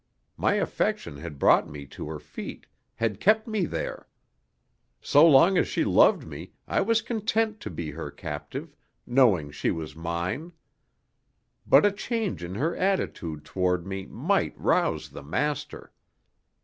My affection had brought me to her feet, had kept me there. So long as she loved me I was content to be her captive, knowing she was mine. But a change in her attitude toward me might rouse the master.